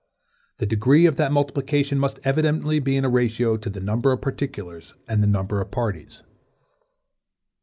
The degree of that multiplication must evidently be in a ratio to the number of particulars and the number of parties.